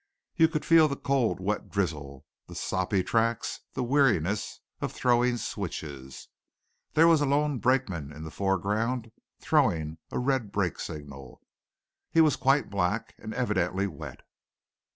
You could feel the cold, wet drizzle, the soppy tracks, the weariness of "throwing switches." There was a lone brakeman in the foreground, "throwing" a red brake signal. He was quite black and evidently wet.